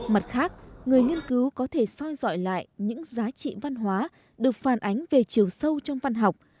mặt khác người nghiên cứu có thể soi dọi lại những giá trị văn hóa được phản ánh về chiều sâu trong văn học